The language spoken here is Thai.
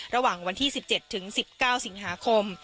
ระหว่างวันที่๑๗ถึง๑๙สิงหาคม